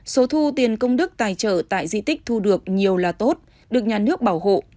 số thu tiền công đức tài trợ tại di tích thu được nhiều là tốt được nhà nước bảo hộ